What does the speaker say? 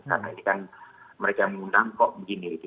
karena ini kan mereka mengundang kok begini gitu